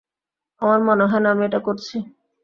আমার মনে হয় না আমি এটা করছি।